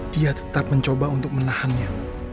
dia tetap mencoba untuk menahannya